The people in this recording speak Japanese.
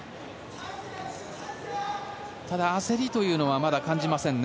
ただ、焦りというのはまだ感じませんね。